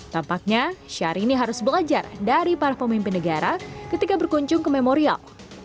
tampaknya syahrini harus belajar dari para pemimpin negara ketika berkunjung ke memorial